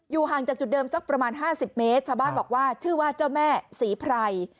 ห่างจากจุดเดิมสักประมาณ๕๐เมตรชาวบ้านบอกว่าชื่อว่าเจ้าแม่ศรีไพร